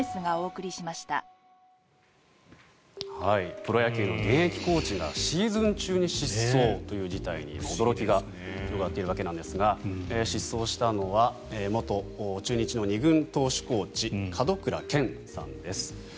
プロ野球の現役コーチがシーズン中に失踪という事態に驚きが広がっているわけですが失踪したのは元中日の２軍投手コーチ門倉健さんです。